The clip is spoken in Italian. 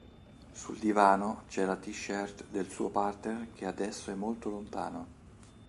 Sul divano c'è la t-shirt del suo partner che adesso è molto lontano.